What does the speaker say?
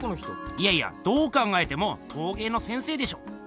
いやいやどう考えてもとうげいの先生でしょ。